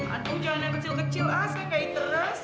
aduh jalan yang kecil kecil asa kaya teres